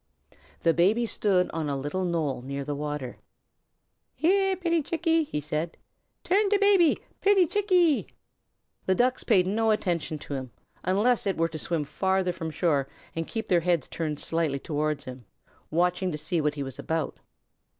The Baby stood on a little knoll near the water. "Here, pitty Chickie!" he said. "Tum to Baby, pitty Chickie!" The Ducks paid no attention to him, unless it were to swim farther from shore and keep their heads turned slightly toward him, watching to see what he was about.